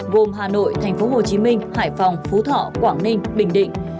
gồm hà nội tp hcm hải phòng phú thọ quảng ninh bình định